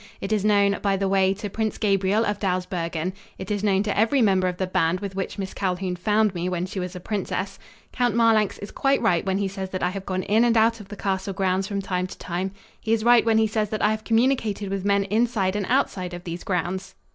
It is known, by the way, to Prince Gabriel of Dawsbergen. It is known to every member of the band with which Miss Calhoun found me when she was a princess. Count Marlanx is quite right when he says that I have gone in and out of the castle grounds from time to time. He is right when he says that I have communicated with men inside and outside of these grounds.